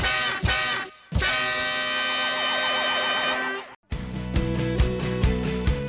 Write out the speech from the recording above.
สุดท้าย